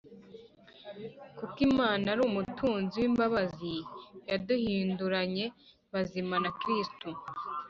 kuko Imana ari umutunzi w’imbabazi yaduhinduranye bazima na Kristo.